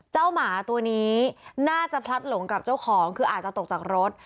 หมาตัวนี้น่าจะพลัดหลงกับเจ้าของคืออาจจะตกจากรถ